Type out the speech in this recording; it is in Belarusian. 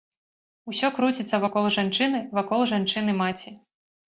Усё круціцца вакол жанчыны, вакол жанчыны-маці.